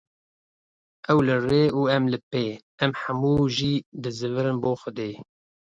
Ew li rê û em li pê, em hemû jî dê zivirin bo xwedê